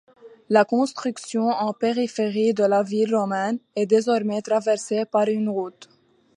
La construction, en périphérie de la ville romaine, est désormais traversée par une route.